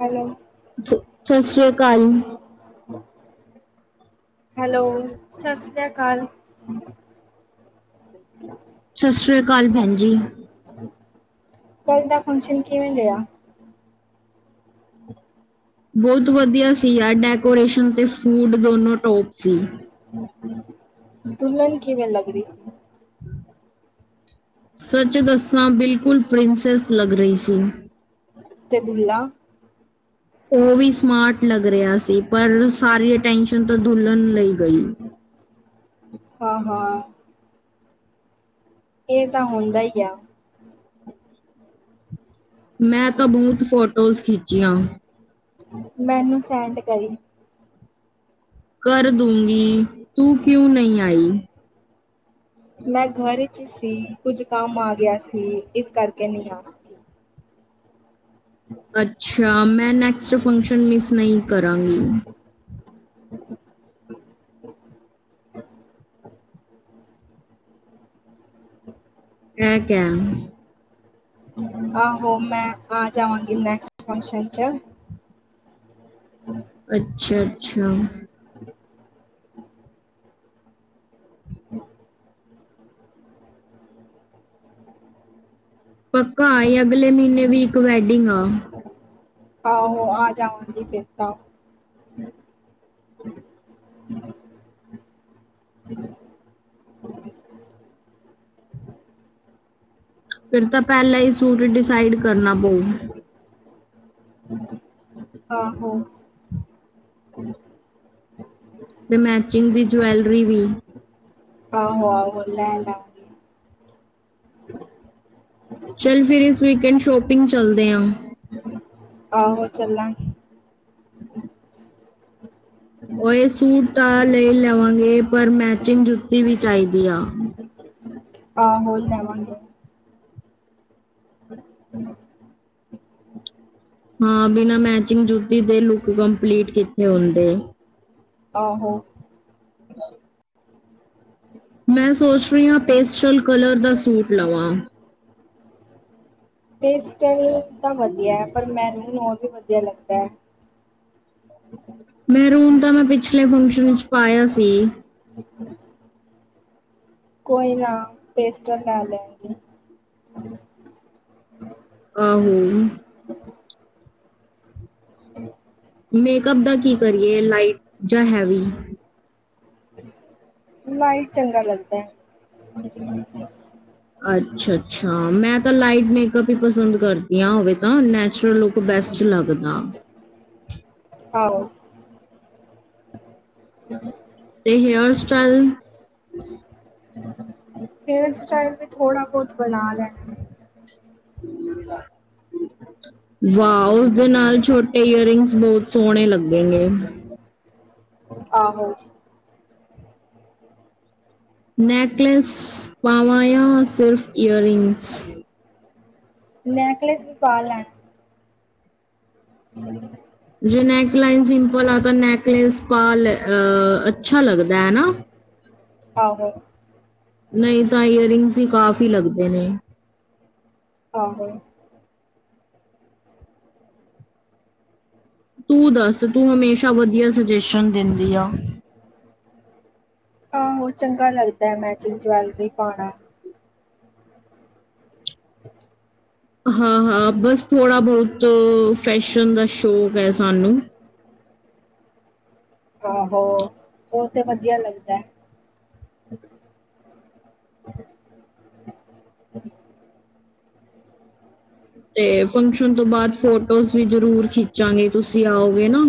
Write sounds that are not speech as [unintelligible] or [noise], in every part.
Hello. ਸ- ਸਤਿ ਸ਼੍ਰੀ ਅਕਾਲ ਹੈਲੋ, ਸਸ ਸ੍ਰੀਆ ਕਾਲ। [inaudible] ਅਕਾਲ ਭੈਣ ਜੀ ਕੱਲ ਦਾ ਫੰਕਸ਼ਨ ਕਿਵੇਂ ਰੇਆ? ਬੋਤ ਵਦੀਆ ਸੀ ਯਾਰ ਡੈਕੋਰੇਸ਼ਨ ਤੇ ਫੂਡ ਦੋਨੋਂ ਟੋਪ ਦੁਲਹਨ ਕਿਵੇਂ ਲੱਗ ਰਈ ਸੀ? ਸੱਚ ਦੱਸਾਂ, ਬਿਲਕੁਲ ਪ੍ਰਿੰਸੈਸ ਲੱਗ ਰਈ ਸੀ। ਤੇ ਦੁਲਾ? ਓ ਵੀ ਸਮਾਰਟ ਲੱਗ ਰੇਆ ਸੀ। ਪਰ ਸਾਰੀ ਅਟੈਨਸ਼ਨ ਤਾਂ ਦੁਲਹਨ ਲੇ ਗਈ। ਹਾ-ਹਾ। ਏਹ ਤਾਂ ਹੁੰਦਾ ਈ ਆ। [inaudible] ਮੈਂ ਤਾਂ ਬੌਤ ਫੋਟੋਜ਼ ਖਿੱਚੀਆਂ। ਮੈਨੂੰ ਸੈਂਡ ਕਰੀਂ। ਕਰ ਦੂਂਗੀ, ਤੂੰ ਕਿਉਂ ਨਈ ਆਈ? ਮੈਂ ਘਰ ਚ ਸੀ। ਕੁੱਛ ਕੰਮ ਆ ਗੇਆ ਸੀ। ਇਸ ਕਰਕੇ ਨੀ ਆ ਸਕ [unintelligible] ਅੱਛਾ, ਮੈਂ ਨੈਕਸਟ ਫੰਕਸ਼ਨ ਮਿਸ ਨਈ ਕਰਾਂਗੀ। [inaudible] ਹੈ ਕਯਾ? ਆਹੋ, ਮੈਂ ਆ ਜਾਵਾਂਗੀ ਨੈਕਸਟ ਫੰਕਸ਼ਨ ਚ। [unintelligible] ਅੱਛਾ-ਅੱਛਾ। [unintelligible] [unintelligible] ਪੱਕਾ ਆਈ ਅਗਲੇ ਮੀਨੇ ਵੀ ਇੱਕ ਵੈਡਿੰਗ ਆ। ਆਹੋ, ਆ ਜਾਵਾਂਗੀ ਫੇਰ ਤਾਂ। ਫਿਰ ਤਾ ਪੈਲਾ ਈ ਸੂਟ ਡਿਸਾਈਡ ਕਰਨਾ ਪਊ। ਆਹੋ। ਤੇ ਮੈਚਿੰਗ ਦੀ ਜਵੈਲਰੀ ਵੀ। ਆਹੋੋ ਆਹੋ ਲੈਲਾ ਚੱਲ ਫਿਰ ਇਸ ਵੀਕਐਂਡ ਸ਼ੋਪਿੰਗ ਚੱਲਦੇ ਆਂ। ਆਹੋ ਚੱਲਾਂਗੇ। ਓ ਏ ਸੂਟ ਤਾਂ ਲੈ ਲਵਾਂਗੇ ਪਰ ਮੈਚਿੰਗ ਜੁੱਤੀ ਵੀ ਚਾਈਦੀ ਆ। ਆਹੋ, ਲੈਵਾਂਗੇ। [unintelligible] ਹਾਂ ਬਿਨਾ ਮੈਚਿੰਗ ਜੁੱਤੀ ਦੇ ਲੁੱਕ ਕੰਪਲੀਟ ਕਿੱਥੇ ਹੁੰਦੇ। ਆਹੋ। ਮੈਂ ਸੋਚ ਰੀ ਆਂ। ਪੇਸਟਲ ਕਲਰ ਦਾ ਸੂਟ ਲਵਾਂ। ਪੈਸਟਲ ਤਾਂ ਵਧੀਆ ਐ। ਪਰ ਮੈਰੂਨ ਹੋਰ ਵੀ ਵਧੀਆ ਲੱਗਦਾ ਐ। [unintelligible] ਮਹਰੂਨ ਤਾਂ ਮੈਂ ਪਿਛਲੇ ਫੰਕਸ਼ਨ ਵਿੱਚ ਪਾਏਆ ਸੀ। [unintelligible] ਕੋਈ ਨਾ, ਪੇਸਟਲ ਲੈ ਲੈਂਗੇ। ਆਹੋ। [unintelligible] ਮੇਕਅਪ ਦਾ ਕੀ ਕਰੀਏ। ਲਾਈਟ ਜਾਂ ਹੈਵੀ? ਲਾਈਟ ਚੰਗਾ ਲੱਗਦਾ ਐ। ਅੱਛਾ ਅੱਛਾ ਮੈਂ ਤਾਂ ਲਾਈਟ ਮੇਕਅਪ ਈ ਪਸੰਦ ਕਰਦੀ ਆ ਓਵੇ ਤਾਂ ਨੈਚੁਰਲ ਲੁੱਕ ਬੈਸਟ ਲੱਗਦਾ। ਆਹੋ। ਤੇ ਹੇਅਰ ਸਟਾਈਲ ਹੇਅਰ ਸਟਾਈਲ ਵੀ ਥੋੜਾ ਬੋਤ ਬਣਾ ਲੈ [inaudible] [unintelligible] ਵਾ ਉਸਦੇ ਨਾਲ ਛੋਟੇ ਈਅਰਿੰਗਸ ਬੋਤ ਸੋਣੇ ਲੱਗੇਂਗੇ। ਆਹੋ। ਨੈਕਲਸ ਪਾਵਾਂ ਯਾਂ ਸਿਰਫ ਈਅਰਿੰਗਸ? ਨੈਕਲਸ ਵੀ ਪਾ ਲੈ। [inaudible] ਜੇ ਨੇੈਕ ਲਾਈਨ ਸਿੰਪਲ ਆ ਤਾਂ ਨੇੈਕਲੇਸ ਪਾਲੇ ਅ ਅੱਛਾ ਲੱਗਦਾ। ਹੈ ਨਾ ਆਹੋ ਨਈ ਤਾਂ ਈਅਰ ਰਿੰਗਸ ਈ ਕਾਫ਼ੀ ਲੱਗਦੇ ਨੇ। ਆਹੋ ਤੂੰ ਦੱਸ ਤੂੰ ਹਮੇਸ਼ਾ ਵਦੀਆ ਸਜੈਸ਼ਨ ਦੇਂਦੀ ਆ। ਆਹੋ, ਚੰਗਾ ਲੱਗਦਾ ਐ ਮੈਚਿੰਗ ਜਵੈਲਰੀ ਪਾਣਾ। ਹਾਂ-ਹਾਂ, ਬਸ ਥੋੜ੍ਹਾ ਬਹੁਤ ਫੈਸ਼ਨ ਦਾ ਸ਼ੌਕ ਐ ਸਾਨੂੰ ਆਹੋ ਓਹ ਤੇ ਵਧੀਆ ਲੱਗਦੈ। [inaudible] ਤੇ ਫੰਕਸ਼ਨ ਤੋਂ ਬਾਅਦ ਫੋਟੋਜ਼ ਵੀ ਜਰੂਰ ਖਿੱਚਾਂਗੇ, ਤੁਸੀਂ ਆਓਗੇ ਨਾ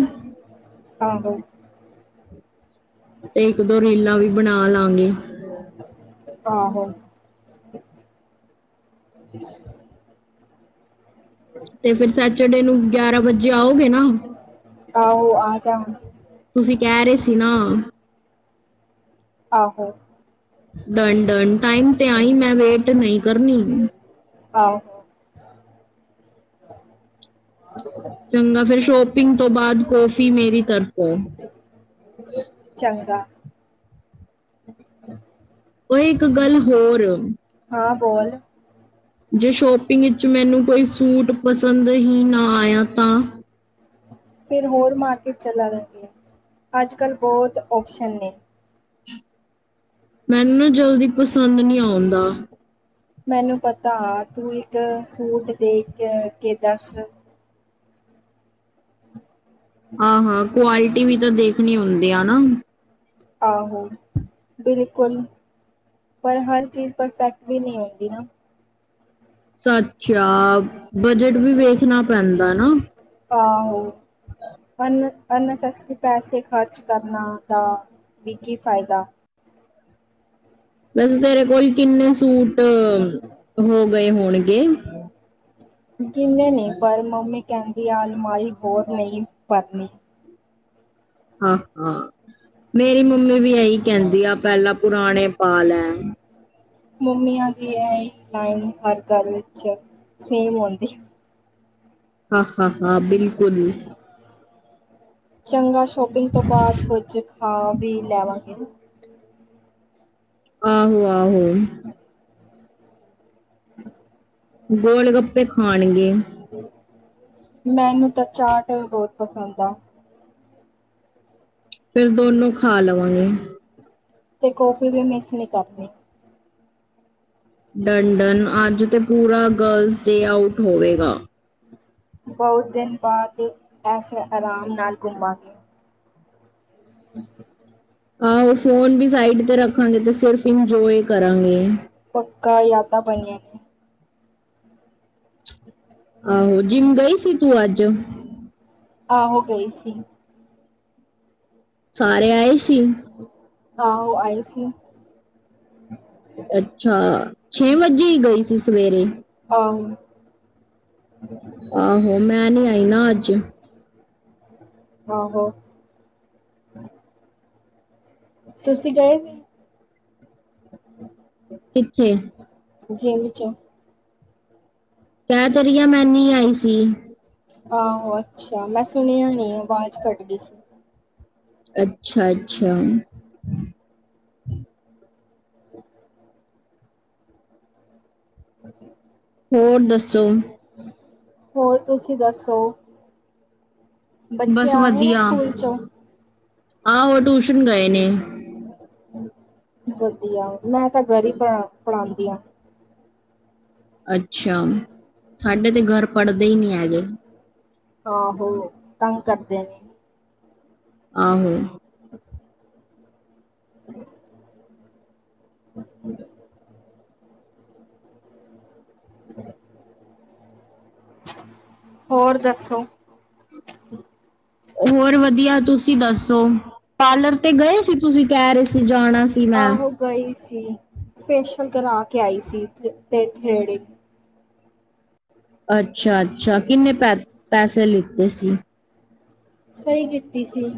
ਆਹੋ ਤੇ ਇੱਕ-ਦੋ ਰੀਲਾਂ ਵੀ ਬਣਾ ਲਾਂਗੇ। ਆਹੋ ਤੇ ਫਿਰ ਸੈਚਡੇ ਨੂੰ ਗਿਆਰਾਂ ਵਜੇ ਆਓਗੇ ਨਾ? ਆਹੋ ਆ ਜਾ ਹੁਣ ਤੁਸੀ ਕਹਿ ਰਹੇ ਸੀ ਨਾ ਆਹੋ ਡਨ-ਡਨ। ਟਾਈਮ ਤੇ ਆਈ ਮੈਂ ਵੇਟ ਨਹੀਂ ਕਰਨੀ। ਆਹੋ ਚੰਗਾ, ਫਿਰ ਸ਼ੋਪਿੰਗ ਤੋਂ ਬਾਅਦ ਕੌਫੀ ਮੇਰੀ ਤਰਫੋਂ ਚੰਗਾ ਓਹ ਇੱਕ ਗੱਲ ਹੋਰ ਹਾਂ ਬੋਲ। ਜੇ ਸ਼ੋਪਿੰਗ ਇਚੋਂ ਮੈਨੂੰ ਕੋਈ ਸੂਟ ਪਸੰਦ ਹੀ ਨਾ ਆਇਆ ਤਾਂ ਫਿਰ ਹੋਰ ਮਾਰਕੀਟ, [unintelligible] ਅੱਜ ਕੱਲ ਬਹੁਤ ਓਪਸ਼ਨ ਨੇ। ਮੈਨੂੰ ਨਾ ਜਲਦੀ ਪਸੰਦ ਨੀ ਆਉਂਦਾ। ਮੈਨੂੰ ਪਤਾ ਐ ਤੂੰ ਇੱਕ ਸੂਟ ਦੇਖ [unintelligible] ਹਾਂ-ਹਾਂ, ਕੁਆਲਟੀ ਵੀ ਤਾਂ ਦੇਖਣੀ ਹੁੰਦੀ ਆ ਨਾ। ਆਹੋ, ਬਿਲਕੁਲ। ਪਰ ਹਰ ਚੀਜ਼ ਪਰਫੈਕਟ ਵੀ ਨੀ ਹੁੰਦੀ ਨਾ। ਸੱਚ ਆ, ਬੱਜਟ ਵੀ ਵੇਖਣਾ ਪੈਂਦਾ ਨਾ। ਆਹੋ, ਅਨ ਅਨਨੈਸੈਸਰੀ ਪੈਸੇ ਖਰਚ ਕਰਨਾ ਦਾ ਵੀ ਕੀ ਫਾਇਦਾ ਵੈਸੇ ਤੇਰੇ ਕੋਲ ਕਿੰਨੇ ਸੂਟ ਹੋ ਗਏ ਹੋਣਗੇ? ਗਿੰਨੇ ਨੀ, ਪਰ ਮੰਮੀ ਕਹਿੰਦੀ ਆ ਅਲਮਾਰੀ ਹੋਰ ਨਹੀਂ ਭਰਨੀ। ਹਾਂ-ਹਾਂ, ਮੇਰੀ ਮੰਮੀ ਵੀ ਐਈ ਕਹਿੰਦੀ ਆ ਪਹਿਲਾਂ ਪੁਰਾਣੇ ਪਾ ਲੈ। ਮੰਮੀਆਂ ਦੀ ਐਹ ਲਾਈਨ ਹਰ ਘਰ ਵਿੱਚ ਸੇਮ ਹੋਂਦ ਐ। ਹਾ-ਹਾ-ਹਾ, ਬਿਲਕੁਲ। ਚੰਗਾ, ਸ਼ੋਪਿੰਗ ਤੋਂ ਬਾਅਦ ਕੁਝ ਖਾ ਵੀ ਲੈਵਾਂਗੇ। ਆਹੋ-ਆਹੋ [inaudible] ਗੋਲ-ਗੱਪੇ ਖਾਣਗੇ। ਮੈਨੂੰ ਤਾਂ ਚਾਟ ਅ ਬਹੁਤ ਪਸੰਦ ਐ। ਫੇਰ ਦੋਨੋਂ ਖਾ ਲਵਾਂਗੇ। ਤੇ ਕੌਫੀ ਵੀ ਮਿਸ ਨੀ ਕਰਨੀ। ਡੰਨ-ਡੰਨ ਅੱਜ ਤੇ ਪੂਰਾ ਗਰਲਜ਼ ਡੇ ਆਊਟ ਹੋਵੇਗਾ। ਬਉਤ ਦਿਨ ਬਾਅਦ ਅੱਸ ਅਰਾਮ ਨਾਲ ਕੁਮਾਂਗੇ। [inaudible] ਆਹੋ ਫੋਨ ਵੀ ਸਾਈਡ ਤੇ ਰੱਖਾਂਗੇ ਤੇ ਸਿਰਫ਼ ਇੰਜੋਏ ਕਰਾਂਗੇ। ਪੱਕਾ ਯਾਦਾਂ ਬਣਨੀਆਂ ਨੇ। ਆਹੋ ਜਿਮ ਗਈ ਸੀ ਤੂੰ ਅੱਜ? ਆਹੋ ਗਈ ਸੀ। ਸਾਰੇ ਆਏ ਸੀ? ਆਹੋ ਆਏ ਸੀ। ਅੱਛਾ ਛੇ ਵੱਜੇ ਈ ਗਈ ਸੀ ਸਵੇਰੇ ਆਹੋ। ਆਹੋ ਮੈਂ ਨੀ ਆਈ ਨਾ ਅੱਜ। ਆਹੋ। ਤੁਸੀਂ ਗਏ ਨੀ ਕਿੱਥੇ? ਜਿੰਮ ਚ ਕੈ ਤੇ ਰੀ ਆ ਮੈ ਨੀ ਆਈ ਸੀ। ਆਹੋ ਅੱਛਾ ਮੈਂ ਸੁਣਿਆ ਨੀ ਆਵਾਜ਼ ਕੱਟਗੀ ਸੀ। ਅੱਛਾ-ਅੱਛਾ। [inaudible] [inaudible] ਹੋਰ ਦੱਸੋ ਹੋਰ ਤੁਸੀਂ ਦੱਸੋ ਬੱਚੇ ਬਸ ਆਗੇ ਨੇ ਵਧੀਆ ਸਕੂਲ ਚੋਂ? ਆਹੋ ਟੂਸ਼ਨ ਗਏ ਨੇ। ਵਧੀਆ ਮੈਂ ਤਾਂ ਘਰ ਈ ਪੜ੍ਹਾ ਪੜ੍ਹਾਂਦੀ ਆ। ਅੱਛਾ ਸਾਡੇ ਤੇ ਘਰ ਪੜ੍ਹਦੇ ਈ ਨੀ ਹੈਗੇ। ਆਹੋ ਤੰਗ ਕਰਦੇ ਨੇ। ਆਹੋ। [inaudible] [inaudible] ਬਾਣਾ ਹੁੰਦਾ। ਹੋਰ ਦੱਸੋ ਹੋਰ ਵਧੀਆ ਤੁਸੀਂ ਦੱਸੋ ਪਾਰਲਰ ਤੇ ਗਏ ਸੀ ਤੁਸੀਂ ਕੈ ਰੇ ਸ ਸੀ ਜਾਣਾ ਸੀ ਮੈਂ। ਆਹੋ ਗਈ ਸੀ ਫੇਸ਼ਇਅਲ ਕਰਾ ਕੇ ਆਈ ਸੀ ਤੇ ਥ੍ਰੇਡਿੰਗ। ਅੱਛਾ-ਅੱਛਾ ਕਿੰਨੇ ਪੈ ਪੈਸੇ ਲਿੱਤੇ ਸੀ? ਸਈ ਕੀਤੀ ਸੀ।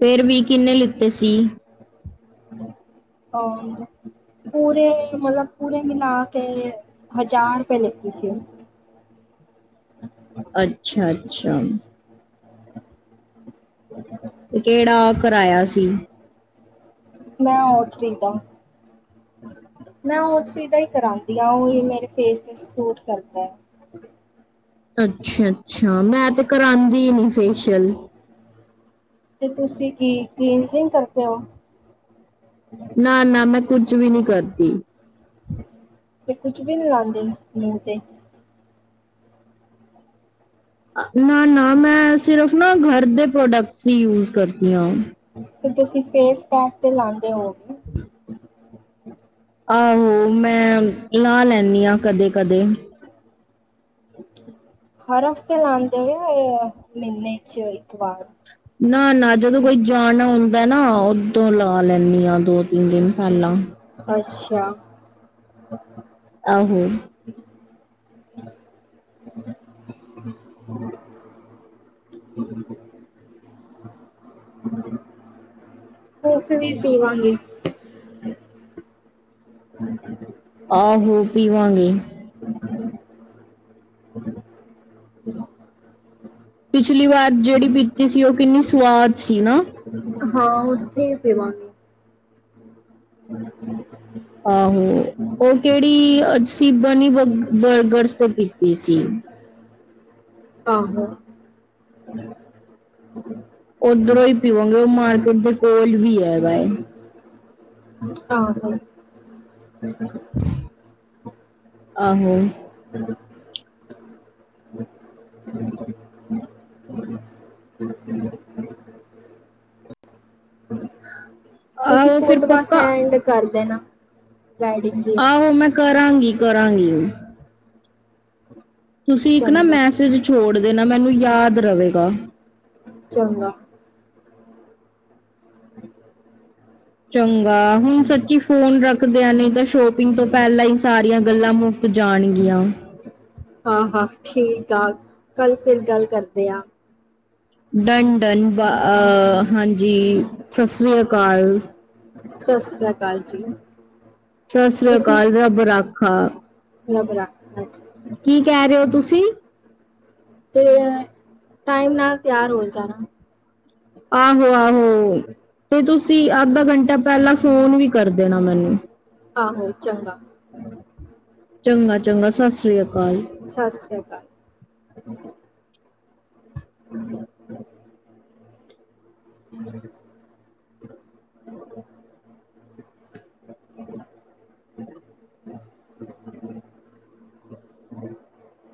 ਫੇਰ ਵੀ ਕਿੰਨੇ ਲੀੱਤੇ ਸੀ? [unintelligible] ਪੂਰੇ ਮਤਲਬ ਪੂਰੇ ਮਿਲਾ ਕੇ ਹਜ਼ਾਰ ਰੁਪਏ ਲੈਤੇ ਸੀ ਉਨੇ। ਅੱਛਾ ਅੱਛਾ [unintelligible] ਕੇੜਾ ਕਰਾਇਆ ਸੀ? ਮੈਂ ਉਹ ਚਰੀਦਾ ਮੈਂ [unintelligible] ਦਾ ਹੀ ਕਰਾਉਂਦੀ ਆ ਉਹ ਹੀ ਮੇਰੇ ਫੇਸ ਤੇ ਸੂਟ ਕਰਦਾ ਹੈ ਅੱਛਾ-ਅੱਛਾ ਮੈਂ ਤੇ ਕਰਾਦੀ ਨੀ ਫੇਸ਼ੀਅਲ। ਤੇ ਤੁਸੀਂ ਕੀ ਕਲੀਨਜਿੰਗ ਕਰਦੇ ਹੋ? ਨਾ-ਨਾ ਮੈਂ ਕੁੱਜ ਵੀ ਨੀ ਕਰਦੀ। ਤੇ ਕੁੱਛ ਵੀ ਨੀ ਲਾਉਂਦੀ ਮੂੰਹ ਤੇ ਅ ਨਾਂ ਨਾਂ ਮੈਂ ਸਿਰਫ਼ ਨਾ ਘਰ ਦੇ ਪ੍ਰੋਡਕਟਸ ਹੀ ਯੂਜ ਕਰਦੀ ਹਾਂ ਤੇ ਤੁਸੀਂ ਫੇਸ ਪੈਕ ਤੇ ਲਾਂਦੇ ਹੋ [inaudible] ਆਹੋ ਮੈਂ, ਲਾ ਲੈਂਨੀ ਆਂ ਕਦੇ-ਕਦੇ। ਹਰ ਹਫ਼ਤੇ ਲਉਦੇ ਹੋ ਯਾ ਮਹੀਨੇ ਚ ਇੱਕ ਵਾਰ? ਨਾ- ਨਾ ਜਦੋਂ ਕੋਈ ਜਾਣਾ ਹੁੰਦਾ ਨਾ, ਉਦੋਂ ਲਾ ਲੈਂਦੀ ਆ ਦੁੱਧ [inaudible] ਅੱਛਾ। ਆਹੋ। [unintelligible] ਵੀ ਸੀਵਾਂਗੇ। ਆਹੋ ਪੀਵਾਂਗੇ। ਪਿਛਲੀ ਵਾਰ ਜਿਹੜੀ ਪੀਤੀ ਸੀ, ਉਹ ਕਿੰਨੀ ਸਵਾਦ ਸੀ ਨਾ। ਹਾਂ ਫੇਰ ਦੇਵਾਂਗੀ। [inaudible] ਆਹੋ, ਓ ਕੇੜੀ ਅਸੀ ਬਨੀ ਬ ਬਰਗਰਸ ਤੋ ਕੀਤੀ ਸੀ। ਆਹੋ। ਓਦਰੋਂ ਈ ਪੀਵਾਂਗੇ ਓ ਮਾਰਕੀਟ ਦੇ ਕੋਲ ਵੀ ਐਗਾ ਏ। ਹਾਂ-ਹਾਂ। ਆਹੋ। ਬਿਲਕੁਲ ਜੀ। ਤੁਸੀਂ ਆਹੋ ਫਿਰ ਪੋਟਵਾ ਪੱਕਾ ਸੈਂਡ ਕਰਦੇ ਨਾ ਵੈਡਿੰਗ ਦੀ ਆਹੋ ਮੈਂ ਕਰਾਂਗੀ ਕਰਾਂਗੀ ਹੁਣ ਤੁਸੀਂ ਇੱਕ ਨਾ ਚੰਗਾ। ਮੈਸੇਜ ਛੋੜ ਦੇਣਾ ਮੈਨੂੰ ਯਾਦ ਰਵੇਗਾ ਚੰਗਾ [inaudible] ਚੰਗਾ ਹੁਣ ਸੱਚੀ ਫੋਨ ਰੱਖ ਕਦੇਆਣੇ ਨੇ ਤਾਂ ਸ਼ੋਪਿੰਗ ਤੋਂ ਪੈਂਲਾਂ ਈ ਸਾਰੀਆਂ ਗੱਲਾਂ ਮੁੱਕ ਜਾਣਗੀਆਂ। ਹਾਂ-ਹਾਂ, ਠੀਕ ਆ, ਕੱਲ ਫਿਰ ਗੱਲ ਕਰਦੇ ਆਂ। ਡਨ ਡਨ ਬ ਅਹ ਹਾਂਜੀ ਸਤਿ ਸ੍ਰੀ ਅਕਾਲ। ਸਤਿ ਸ੍ਰੀ ਅਕਾਲ ਜੀ ਸਸ੍ਰੇ ਕਾਲ, ਰੱਬ ਰਾਖਾ। ਰਬ ਰਾਖਾ ਅੱਛਾ ਕੀ ਕਹਿ ਰਹੇ ਹੋ ਤੁਸੀਂ ਤੇ ਟਾਈਮ ਨਾਲ ਤਿਆਰ ਹੋਣ ਜਾਣਾ। ਆਹੋ ਆਹੋ ਤੇ ਤੁਸੀਂ ਅੱਧਾ ਘੰਟਾ ਪਹਿਲਾਂ ਫੋਨ ਵੀ ਕਰ ਦੇਣਾ ਮੈਨੂੰ ਆਹੋ ਚੰਗਾ ਚੰਗਾ ਚੰਗਾ ਸਤਿ ਸ੍ਰੀ ਅਕਾਲ ਸਤਿ ਸ੍ਰੀ ਆਕਾਲ [inaudible] [inaudible] [inaudible]